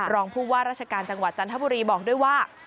รองผู้ว่าราชการจังหวัดจันทบุรีบอกด้วยว่า